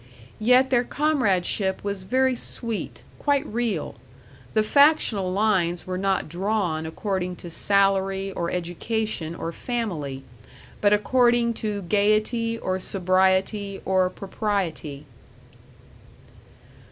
Yet their comradeship was very sweet, quite real; the factional lines were not drawn according to salary or education or family, but according to gaiety or sobriety or propriety.